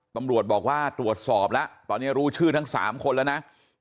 ตำรวจบอกว่าตรวจสอบแล้วตอนนี้รู้ชื่อทั้ง๓คนแล้วนะ